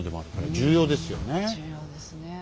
重要ですね。